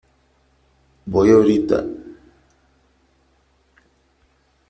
¡ voy , horita !...